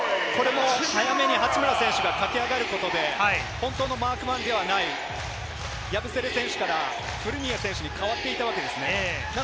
早めに八村選手が駆け上がることで、本当のマークマンでないヤブセレ選手からフルニエ選手に代わっていたわけです。